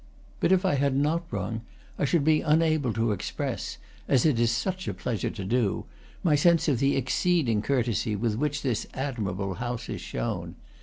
But if I had not rung I should be unable to express as it is such a pleasure to do my sense of the exceeding courtesy with which this admirable house is shown.